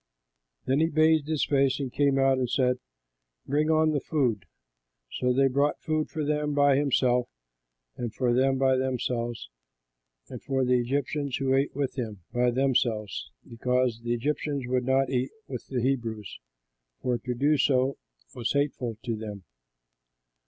Then he bathed his face and came out and said, "Bring on the food." So they brought food for him by himself and for them by themselves and for the Egyptians who ate with him by themselves, because the Egyptians would not eat with the Hebrews, for to do so was hateful to them.